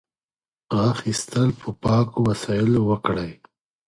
غاښ ایستل په پاکو وسایلو وکړئ.